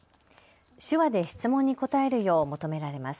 手話で質問に答えるよう求められます。